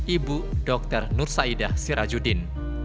ibu dr nur saidah sirajudin